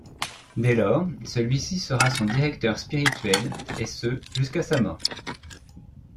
Dès lors, celui-ci sera son directeur spirituel et ce jusqu'à sa mort.